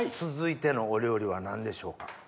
続いてのお料理は何でしょうか？